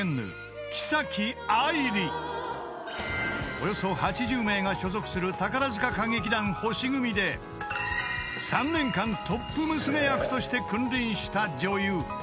［およそ８０名が所属する宝塚歌劇団星組で３年間トップ娘役として君臨した女優］